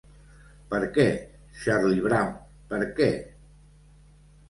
Per què, Charlie Brown, per què?